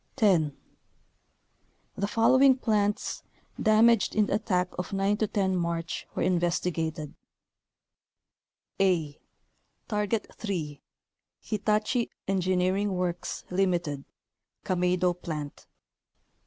The following plants, damaged in the at tack of 9 10 March, were investigated : a. Target 3, Hitachi Engineering Works, Ltd., Kameido Plant.